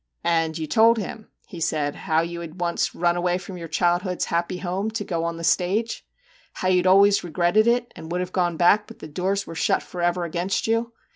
* And you told him/ he said, ' how you had once run away from your childhood's happy home to go on the stage ! How you always re gretted it, and would have gone back but that the doors were shut for ever against you